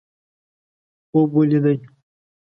خوب ولیدي.